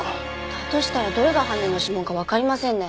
だとしたらどれが犯人の指紋かわかりませんね。